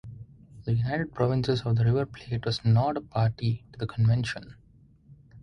The United Provinces of the River Plate was not a party to the convention.